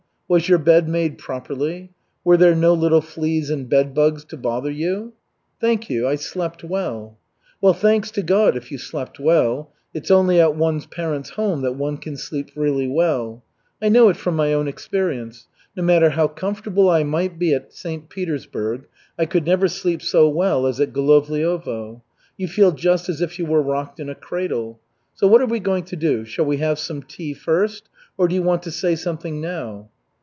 Was your bed made properly? Were there no little fleas and bedbugs to bother you?" "Thank you. I slept well." "Well, thanks to God, if you slept well. It's only at one's parents' home that one can sleep really well. I know it from my own experience. No matter how comfortable I might be at St. Petersburg, I could never sleep so well as at Golovliovo. You feel just as if you were rocked in a cradle. So what are we going to do? Shall we have some tea first, or do you want to say something now?"